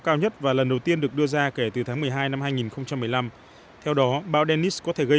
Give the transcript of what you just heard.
cao nhất và lần đầu tiên được đưa ra kể từ tháng một mươi hai năm hai nghìn một mươi năm theo đó bão dennis có thể gây